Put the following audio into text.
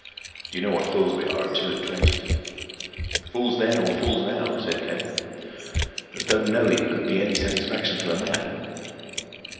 You know what fools we are at two and twenty?" "Fools then or fools now," said Kemp. "As though knowing could be any satisfaction to a man!